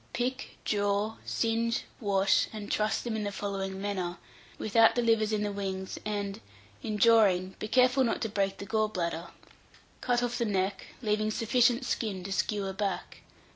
Pick, draw, singe, wash, and truss them in the following manner, without the livers in the wings; and, in drawing, be careful not to break the gall bladder: Cut off the neck, leaving sufficient skin to skewer back.